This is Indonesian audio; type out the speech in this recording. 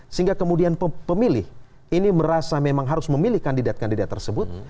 sehingga kemudian pemilih ini merasa memang harus memilih kandidat kandidat tersebut